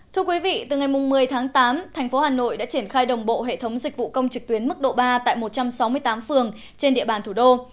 thưa quý vị từ ngày một mươi tháng tám thành phố hà nội đã triển khai đồng bộ hệ thống dịch vụ công trực tuyến mức độ ba tại một trăm sáu mươi tám phường trên địa bàn thủ đô